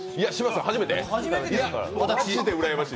初めて、私。